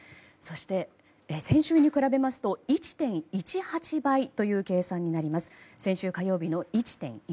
そして、先週に比べますと１．１８倍という計算になります。